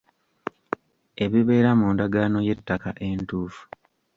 Ebibeera mu ndagaano y’ettaka entuufu.